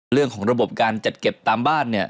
เรื่องของระบบการจัดเก็บตามบ้านเนี่ย